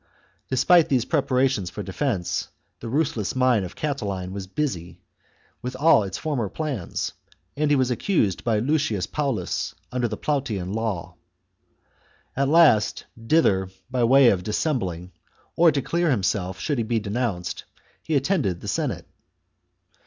Despite these preparations for defence, the ruthless mind of Catiline was busy with all its forrrier plans, and he was accused by Lucius Paulus under the Plautian law. At last, either by way of dissembling or to clear himself should he be denounced, he attended the Senate.